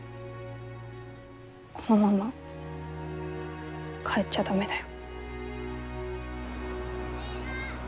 このまま帰っちゃ駄目だよ。